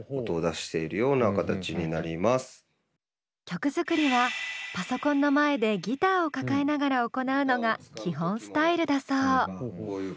曲作りはパソコンの前でギターを抱えながら行うのが基本スタイルだそう。